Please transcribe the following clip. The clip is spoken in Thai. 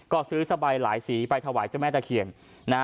ก็ซื้อสะใบหลายสีไปถวายเส้นแม่ตะเคียน